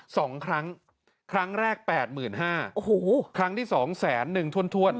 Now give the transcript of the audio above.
สองครั้งครั้งแรกแปดหมื่นห้าโอ้โหครั้งที่สองแสนหนึ่งถ้วนถ้วน